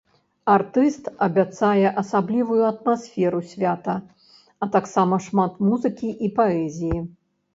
Артыст абяцае асаблівую атмасферу свята, а таксама шмат музыкі і паэзіі.